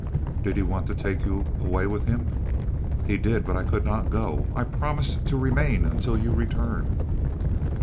"Did he want to take you away with him?" "He did; but I could not go. I promised to remain until your return."